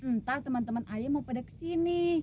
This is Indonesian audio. ntar teman teman ayo mau pada kesini